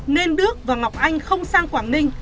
nên đức và ngọc anh không sang quảng ninh